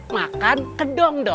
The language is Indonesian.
makan kedong dong